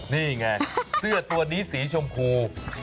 นี่ไงเสื้อตัวนี้สีชมพู